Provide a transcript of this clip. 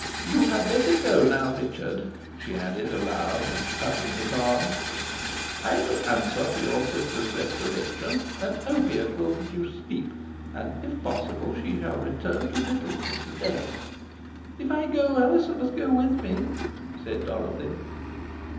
"You had better go now, Richard," she added aloud, and touching his arm, "I will answer for your sister's restoration. An opiate will produce sleep, and if possible, she shall return to Middleton to day." "If I go, Alizon must go with me," said Dorothy.